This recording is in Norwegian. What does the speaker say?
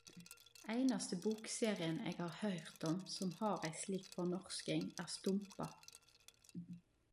Einaste bokserien eg har høyrt om som har ei slik fornorsking er Stompa..